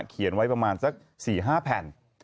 เขียนไว้ประมาณสัก๔๕แผ่น